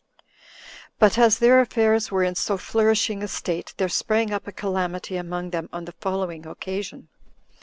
5. But as their affairs were in so flourishing a state, there sprang up a calamity among them on the following occasion.